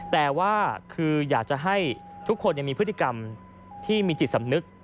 แต่ว่าคืออยากจะให้ทุกคนมีพฤติกรรมที่มีจิตสำนึก